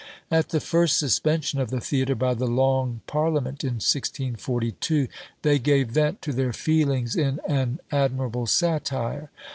At the first suspension of the theatre by the Long Parliament in 1642, they gave vent to their feelings in an admirable satire.